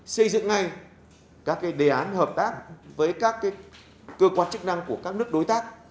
xây dựng ngay các đề án hợp tác với các cơ quan chức năng của các nước đối tác